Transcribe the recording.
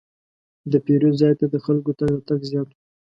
د پیرود ځای ته د خلکو تګ راتګ زیات و.